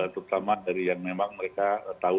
terutama dari yang memang mereka tahu